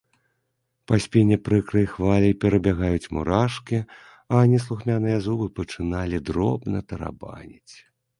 Па спіне прыкрай хваляй перабягаюць мурашкі, а неслухмяныя зубы пачыналі дробна тарабаніць.